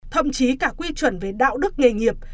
thậm chí cả quy chuẩn về đạo đức nghề nghiệp